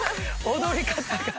踊り方が！